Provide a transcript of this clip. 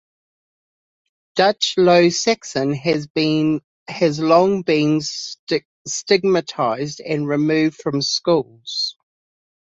Dutch Low Saxon has long been stigmatised and removed from schools.